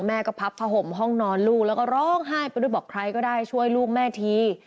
แม่ก็พับผ้าห่มห้องนอนลูกแล้วก็ร้องไห้ไปด้วยบอกใครก็ได้ช่วยลูกแม่ที